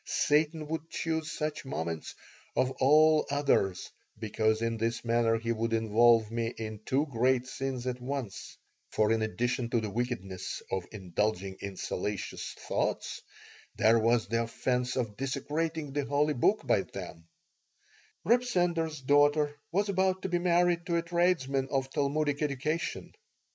Satan would choose such moments of all others because in this manner he would involve me in two great sins at once; for in addition to the wickedness of indulging in salacious thoughts there was the offense of desecrating the holy book by them Reb Sender's daughter was about to be married to a tradesman of Talmudic education.